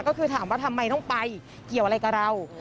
ก็คือถามว่าทำไมต้องไปเกี่ยวอะไรกับเรา